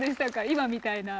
今みたいな。